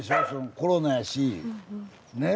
コロナやしねえ。